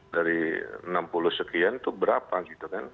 dari enam puluh sekian itu berapa gitu kan